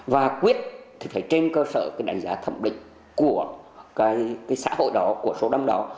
và quyết trên cơ sở đánh giá thẩm định của xã hội đó của số đám đó